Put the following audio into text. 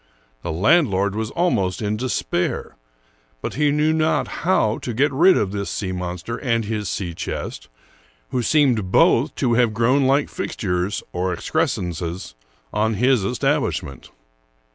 The land lord was almost in despair ; but he knew not how to get rid of this sea monster and his sea chest, who seemed both to have grown like fixtures, or excrescences, on his establish ment.